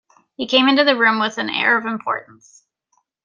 He came into the room with an air of importance.